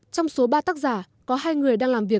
trong số ba tác giả có hai người đang làm việc